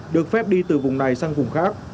được phép đi từ vùng này sang vùng khác